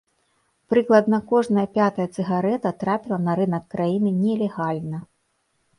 Прыкладна кожная пятая цыгарэта трапіла на рынак краіны нелегальна.